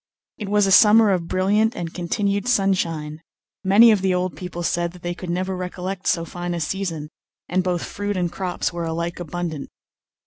It was a summer of brilliant and continued sunshine; many of the old people said that they could never recollect so fine a season, and both fruit and crops were alike abundant.